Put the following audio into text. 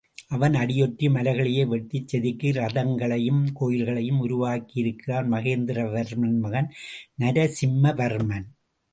அவன் அடியொற்றி மலைகளையே வெட்டிச் செதுக்கி ரதங்களையும் கோயில்களையும் உருவாக்கியிருக்கிறான் மகேந்திர வர்மன் மகன் நரசிம்மவர்மன்.